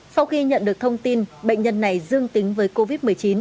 sau khi nhận được thông tin bệnh nhân này dương tính với covid một mươi chín